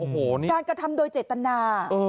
การกระทำโดยเจตนา